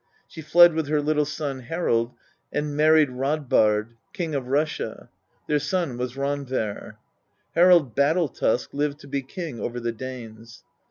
She fled with her little son Harald and married Radbard, king of Russia ; their son was Randver. Harald Battle tusk lived to be king over the Danes.